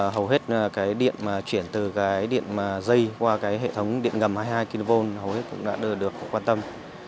hầu hết điện chuyển từ điện dây qua hệ thống điện ngầm hai mươi hai kv hầu hết cũng đã được quan tâm